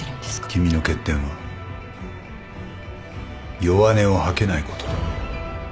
君の欠点は弱音を吐けないことだ。